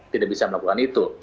tidak bisa melakukan itu